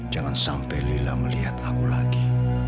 jangan sampai lila melihat aku lagi